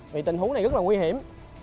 vì tình huống này rất là nguy hiểm